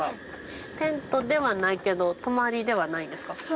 テントではないけど泊まりではないですか？